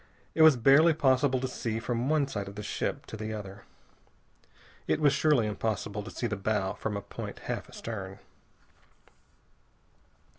It was barely possible to see from one side of the ship to the other. It was surely impossible to see the bow from a point half astern.